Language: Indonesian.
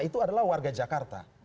itu adalah warga jakarta